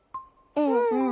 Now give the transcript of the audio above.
うんうん。